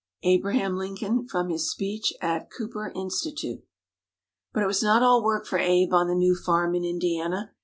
_ ABRAHAM LINCOLN, from his speech at Cooper Institute But it was not all work for Abe on the new farm in Indiana.